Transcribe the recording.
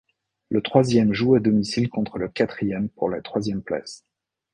Le troisième joue à domicile contre le quatrième pour la troisième place.